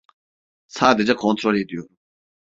Sadece kontrol ediyorum.